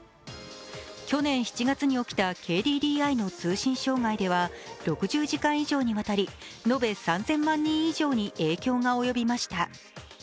去年７月に起きたＫＤＤＩの通信障害では６０時間以上にわたり、延べ３０００万人以上に影響が及びました。